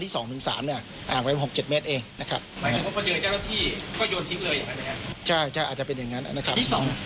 ที่๒กับ๓เนี่ยมะหลัดอยู่ในคันไหนครับ